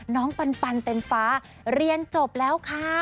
น้องปันปันเต็มฟ้าเรียนจบแล้วค่ะ